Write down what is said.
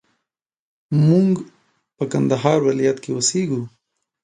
موږ په کندهار ولايت کښي اوسېږو